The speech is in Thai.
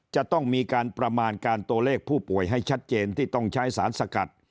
จะต้องมีการประมาณการตัวเลขผู้ป่วยให้ชัดเจนที่ต้องใช้สารสกัด